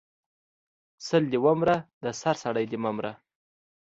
سل دی ومره د سر سړی د مه مره